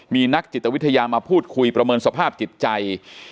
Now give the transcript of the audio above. มีนักจิตวิทยามาพูดคุยประเมินสภาพจิตใจ